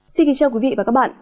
xin kính chào quý vị và các bạn